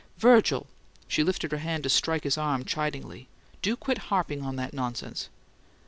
"Virgil!" She lifted her hand to strike his arm chidingly. "Do quit harping on that nonsense!"